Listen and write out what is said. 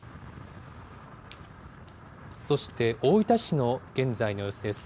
そして、大分市の現在の様子です。